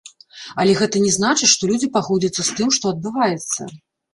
Але гэта не значыць, што людзі пагодзяцца з тым, што адбываецца.